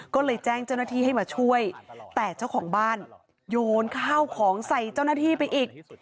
ก็เลยแจ้งเจ้าหน้าที่ให้มาช่วยแต่เจ้าของบ้านโยนข้าวของใส่เจ้าหน้าที่ไปอีก